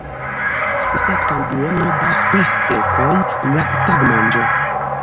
Sep kaj duono da spesdekoj la tagmanĝo!